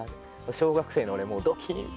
小学生の俺ドキッ。